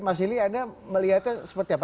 mas ili anda melihatnya seperti apa